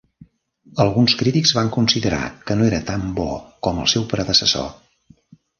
Alguns crítics van considerar que no era tan bo com el seu predecessor.